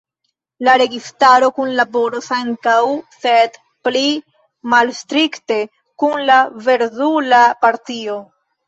La registaro kunlaboros ankaŭ sed pli malstrikte kun la Verdula Partio.